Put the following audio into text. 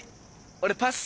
俺パス。